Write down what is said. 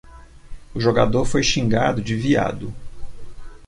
O jogador foi xingado de viado.